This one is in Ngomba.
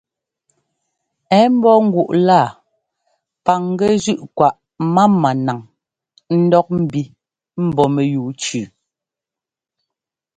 Ɛ́ ḿbɔ́ ŋguꞌ laa paŋgɛ́ zʉ́ꞌ kwaꞌ mámá naŋ ńdɔk ḿbi mbɔ́ mɛyúu tsʉʉ.